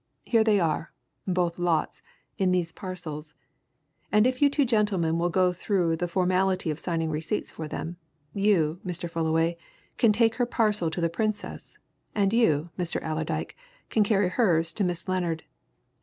Here they are both lots, in these parcels. And if you two gentlemen will go through the formality of signing receipts for them, you, Mr. Fullaway, can take her parcel to the Princess, and you, Mr. Allerdyke, can carry hers to Miss Lennard.